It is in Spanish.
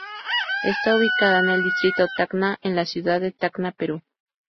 Está ubicada en el distrito Tacna en la Ciudad de Tacna, Perú.